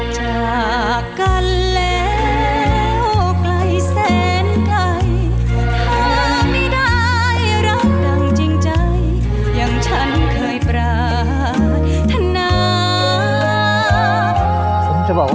จากกันแล้วไกลแสนไกลถ้าไม่ได้รักดังจริงใจอย่างฉันเคยปรารถนา